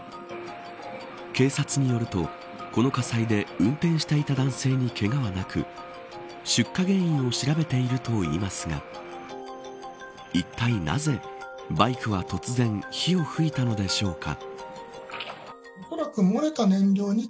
警察によるとこの火災で運転していた男性にけがはなく出火原因を調べているといいますがいったいなぜ、バイクは突然火を噴いたのでしょうか。